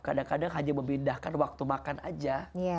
kadang kadang hanya memindahkan waktu makan aja